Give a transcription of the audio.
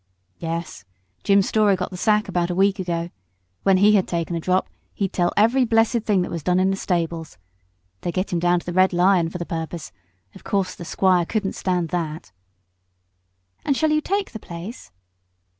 "Yes, Jim Story got the sack about a week ago. When he had taken a drop he'd tell every blessed thing that was done in the stables. They'd get him down to the 'Red Lion' for the purpose; of course the squire couldn't stand that." "And shall you take the place?"